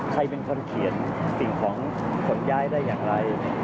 ใครเป็นคนเขียนสิ่งของขนย้ายได้อย่างไร